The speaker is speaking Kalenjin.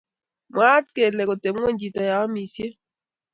Mwaat kele koteb ngweny chito yoomisie